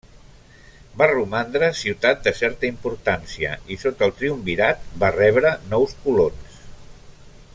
Va romandre ciutat de certa importància i sota el triumvirat va rebre nous colons.